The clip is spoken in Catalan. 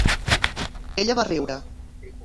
Ella va riure.